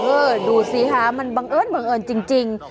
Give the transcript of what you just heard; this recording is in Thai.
ดูสิคะมันบังเอิญบังเอิญจริง